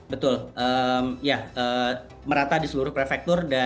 betul ya merata di seluruh prefektur